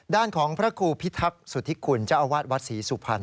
ด้านของพระครูพิทักษุธิคุณเจ้าอาวาสวัดศรีสุพรรณ